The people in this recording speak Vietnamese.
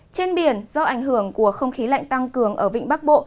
trên biển do ảnh hưởng của không khí lạnh tăng cường ở vịnh bắc bộ